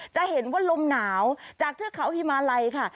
จะเห็นว่าลมหนาวจากเทือกเขาฮิมาลัยค่ะ